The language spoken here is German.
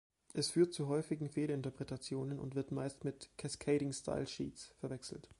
Es führt zu häufigen Fehlinterpretationen und wird meist mit „Cascading Style Sheets“ verwechselt.